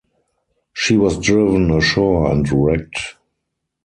She was driven ashore and wrecked.